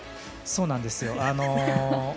そうなんですよ。